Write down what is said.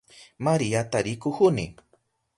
Mariata rikuhuni.